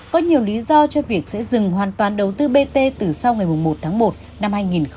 có nhiều lý do cho việc sẽ dừng hoàn toàn đầu tư bt từ sau ngày một mươi một tháng một năm hai nghìn hai mươi một